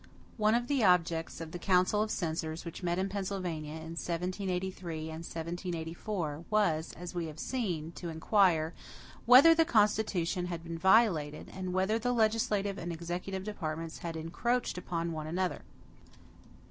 One of the objects of the Council of Censors which met in Pennsylvania in 1783 and 1784, was, as we have seen, to inquire, "whether the constitution had been violated, and whether the legislative and executive departments had encroached upon each other."